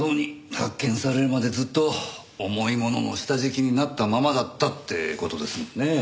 発見されるまでずっと重い物の下敷きになったままだったって事ですもんね。